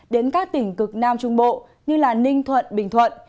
đến các tỉnh cực nam trung bộ như ninh thuận bình thuận